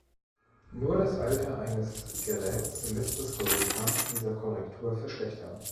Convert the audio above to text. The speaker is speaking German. Nur das Alter eines Geräts lässt das Resultat dieser Korrektur verschlechtern.